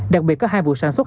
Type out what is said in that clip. đặc biệt có hai vụ sản xuất